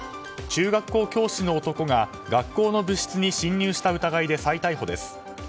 中学校教師の男が学校の部室に侵入した疑いで再逮捕です。